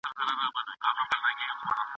که د نکاح پر وخت احتياط ونکړو څه کيږي؟